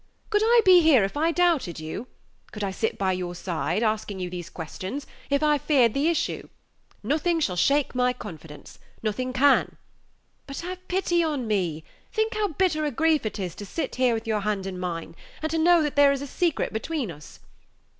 Could I be here if I doubted you? could I sit by your side, asking you these questions, if I feared the issue? Nothing shall shake my confidence nothing can. But have pity on me; think how bitter a grief it is to sit here with your hand in mine, and to know that there is a secret between us.